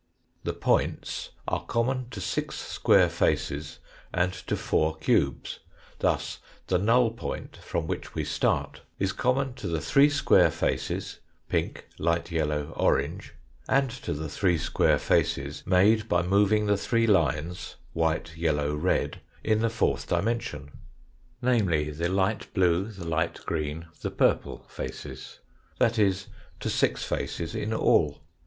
The points are common to six square faces and to four cubes ; thus, the null point from which we start is common to the three square faces pink, light yellow, orange, and to the three square faces made by moving the three lines 174 THE FOURTH DIMENSION white, yellow, red, in the fourth dimension, namely, the light blue, the light green, the purple faces that is, to six faces in all.